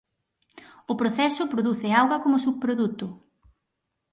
O proceso produce auga como subproduto.